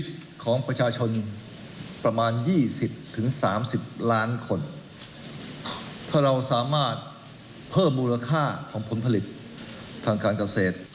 ถ้าเราสามารถเพิ่มมูลค่าของผลผลิตทางการเกษตร